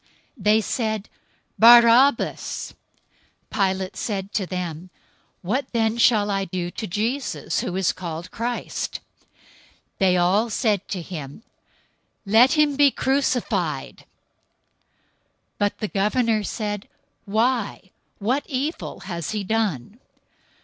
They said, "Barabbas!" 027:022 Pilate said to them, "What then shall I do to Jesus, who is called Christ?" They all said to him, "Let him be crucified!" 027:023 But the governor said, "Why? What evil has he done?"